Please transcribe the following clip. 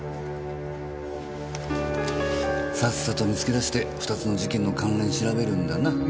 さっさと見つけ出して２つの事件の関連調べるんだな。